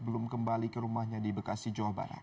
belum kembali ke rumahnya di bekasi jawa barat